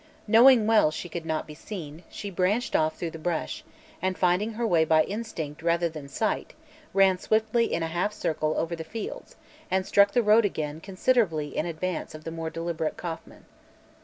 Knowing well she could not be seen, she branched off through the brush, and finding her way by instinct rather than sight, ran swiftly in a half circle over the fields and struck the road again considerably in advance of the more deliberate Kauffman.